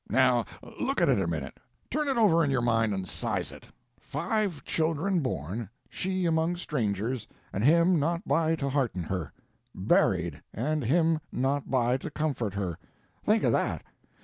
Now look at it a minute turn it over in your mind and size it: five children born, she among strangers, and him not by to hearten her; buried, and him not by to comfort her; think of that!